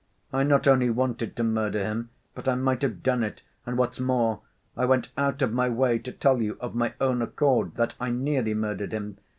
I not only wanted to murder him, but I might have done it. And, what's more, I went out of my way to tell you of my own accord that I nearly murdered him.